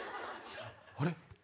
あれ？